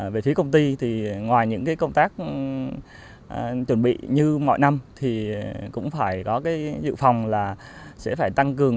về phía công ty thì ngoài những công tác chuẩn bị như mọi năm thì cũng phải có cái dự phòng là sẽ phải tăng cường